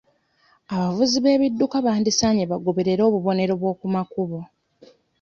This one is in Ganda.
Abavuzi b'ebidduka bandisaanye bagoberere obubonero bw'okumakubo.